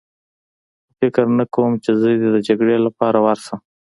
خو فکر نه کوم چې زه دې د جګړې لپاره ورشم.